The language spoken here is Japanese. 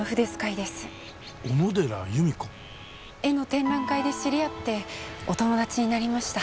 絵の展覧会で知り合ってお友達になりました。